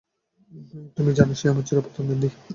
তুমি জানো, সে আমার চির প্রতিদ্বন্দ্বী।